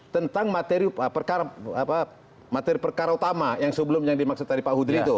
tentang materi perkara utama yang sebelum yang dimaksud tadi pak hudri itu